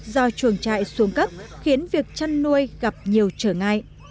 do chuồng trại xuống cấp khiến việc chăn nuôi gặp nhiều trở ngại